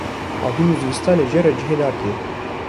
havîn û zivistanê jê re cihê nake.